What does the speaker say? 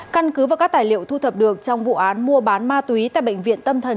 căn cứ và các tài liệu thu thập được trong vụ án mua bán ma túy tại bệnh viện tâm thần